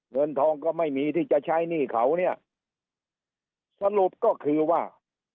เงินทองก็ไม่มีที่จะใช้หนี้เขาเนี่ยสรุปก็คือว่า